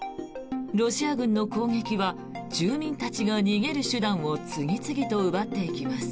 ロシア軍の攻撃は住民たちが逃げる手段を次々と奪っていきます。